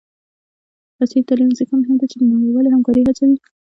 عصري تعلیم مهم دی ځکه چې د نړیوالې همکارۍ هڅوي.